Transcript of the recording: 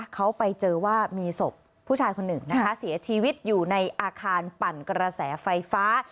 เขาไปเจอว่ามีศพผู้ชายคนหนึ่งนะคะเสียชีวิตอยู่ในอาคารปั่นกระแสไฟฟ้า